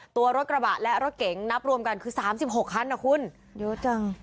ตัวรถกระบะและรถเก๋งนับรวมกันคือสามสิบหกคันนะคุณเยอะจัง